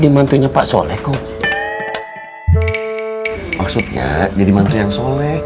maksudnya jadi mantu yang soleh